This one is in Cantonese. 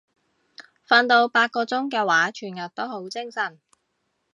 瞓到八個鐘嘅話全日都好精神